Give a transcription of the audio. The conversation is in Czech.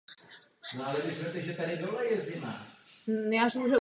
Dodnes jej používají některé japonské policejní jednotky.